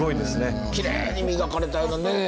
きれいに磨かれたようなね。